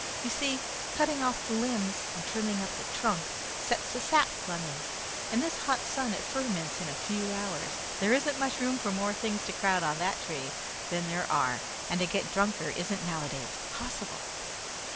You see, cutting off the limbs and trimming up the trunk sets the sap running. In this hot sun it ferments in a few hours. There isn't much room for more things to crowd on that tree than there are, and to get drunker isn't noways possible."